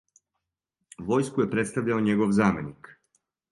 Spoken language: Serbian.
Војску је представљао његов заменик.